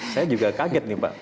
saya juga kaget nih pak